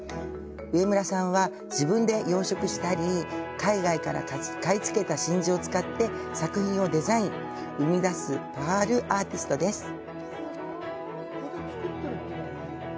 上村さんは、自分で養殖したり海外から買い付けた真珠を使って作品をデザイン、生み出すパールアーティストです。